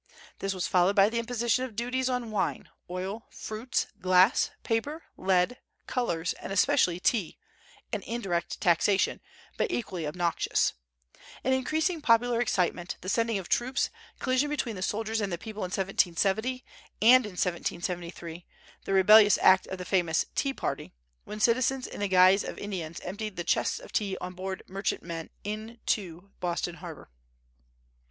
This was followed by the imposition of duties on wine, oil, fruits, glass, paper, lead, colors and especially tea, an indirect taxation, but equally obnoxious; increasing popular excitement, the sending of troops, collision between the soldiers and the people in 1770, and in 1773 the rebellious act of the famous "Tea Party," when citizens in the guise of Indians emptied the chests of tea on board merchantmen into Boston harbor.